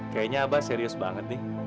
kayaknya abah serius banget nih